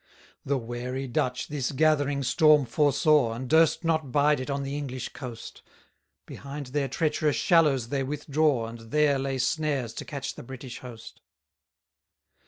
179 The wary Dutch this gathering storm foresaw, And durst not bide it on the English coast: Behind their treacherous shallows they withdraw, And there lay snares to catch the British host.